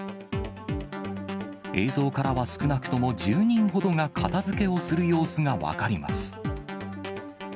映像からは少なくとも１０人ほどが片づけをする様子が分かります。